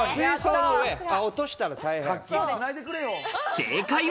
正解は。